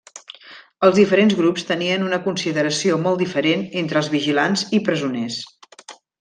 Els diferents grups tenien una consideració molt diferent entre els vigilants i presoners.